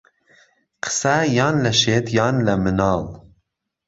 قسە یان لە شێت یان لە مناڵ